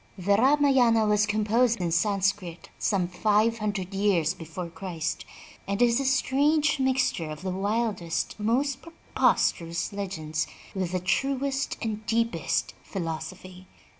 The Ramayana was composed in Sanscrit some five hundred years before Christ, and is a strange mixture of the wildest and most preposterous legends with the truest and deepest philosophy.